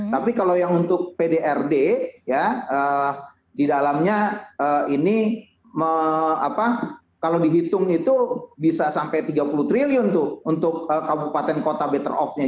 tapi kalau yang untuk pdrd ya di dalamnya ini kalau dihitung itu bisa sampai tiga puluh triliun tuh untuk kabupaten kota better off nya